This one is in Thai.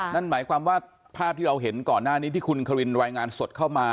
นั่นหมายความว่าภาพที่เราเห็นก่อนหน้านี้ที่คุณควินรายงานสดเข้ามา